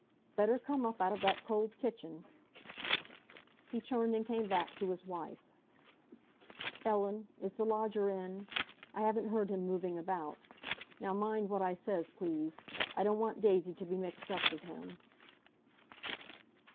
"Better come up out of that cold kitchen." He turned and came back to his wife. "Ellen, is the lodger in? I haven't heard him moving about. Now mind what I says, please! I don't want Daisy to be mixed up with him."